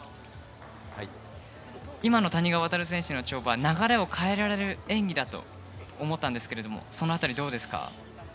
今の谷川航選手の跳馬流れを変えられる演技だと思ったんですけどもその辺り、どうですか？